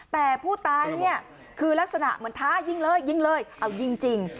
แต่ผู้ตายเนี่ยคือลักษณะเหมือนท้ายิงเลยยิงเลยเอายิงจริง